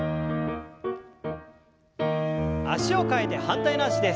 脚を替えて反対の脚です。